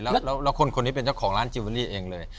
แล้วคนนี้เป็นเจ้าของร้านจิลเวอรี่เองเลย